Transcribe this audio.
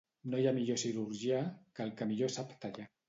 No hi ha millor cirurgià que el que millor sap tallar.